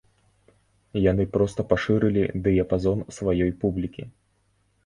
Яны проста пашырылі дыяпазон сваёй публікі.